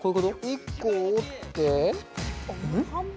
一個、折って。